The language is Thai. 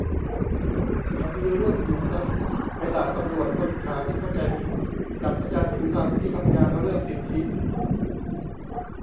เขามีเรื่องอยู่ครับ ไปด่าตำรวจคนขาวที่เข้าใจผิด จับอาจารย์ผิวดำที่ทำงานเรื่องสิทธิ